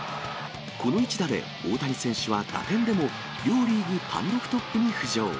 この一打で、大谷選手は打点でも両リーグ単独トップに浮上。